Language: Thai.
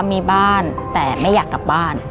มีบ้านแต่ไม่อยากกลับบ้าน